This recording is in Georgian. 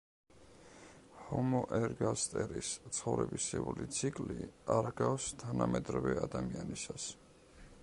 ჰომო ერგასტერის ცხოვრებისეული ციკლი არ ჰგავს თანამედროვე ადამიანისას.